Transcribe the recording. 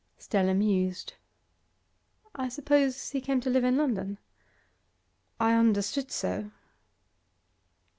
Stella mused. 'I suppose he came to live in London?' 'I understood so.